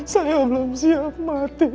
saya belum siap mati